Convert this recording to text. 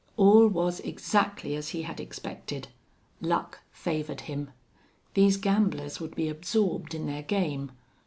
All was exactly as he had expected. Luck favored him. These gamblers would be absorbed in their game.